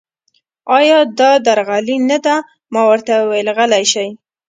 ایا دا درغلي نه ده؟ ما ورته وویل: غلي شئ.